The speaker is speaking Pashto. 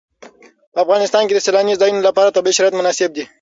په افغانستان کې د سیلانی ځایونه لپاره طبیعي شرایط مناسب دي.